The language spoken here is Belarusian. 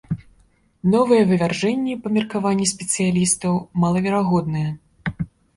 Новыя вывяржэнні, па меркаванні спецыялістаў, малаверагодныя.